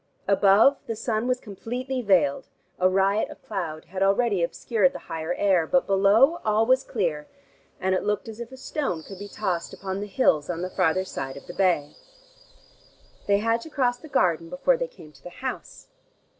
Above, the sun was completely veiled, a riot of cloud had already obscured the higher air, but below, all was clear, and it looked as if a stone could be tossed upon the hills on the farther side of the bay. They had to cross the garden before they came to the house.